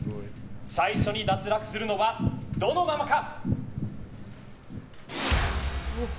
最初に脱落するのはどのママか！